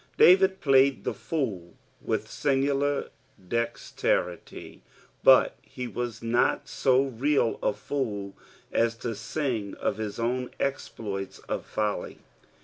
Daoid played Ihefool inith singular dexterity, Ind he v>as not so real a fool aa to sin^ (/ Ida oien exploits qf folly.